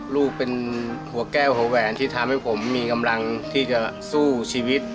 ลูกเป็นหัวแก้วหัวแหวนที่ทำให้ผมมีกำลังที่จะสู้ชีวิต